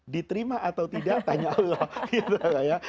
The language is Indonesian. diterima atau tidak tanya allah